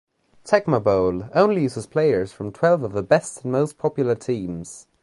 Tecmo Bowl only uses players from twelve of the best and most popular teams.